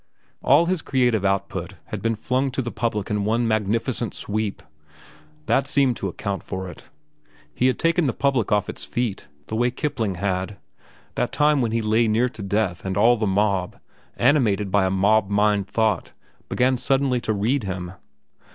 All his creative output had been flung to the public in one magnificent sweep. That seemed to account for it. He had taken the public off its feet, the way Kipling had, that time when he lay near to death and all the mob, animated by a mob mind thought, began suddenly to read him.